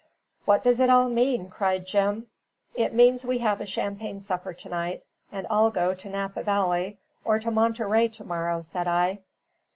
"What does it all mean?" cried Jim. "It means we have a champagne supper to night, and all go to Napa Valley or to Monterey to morrow," said I.